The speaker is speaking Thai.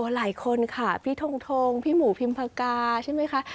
หลายคนค่ะพี่ทงพี่หมูพิมพากาใช่ไหมคะ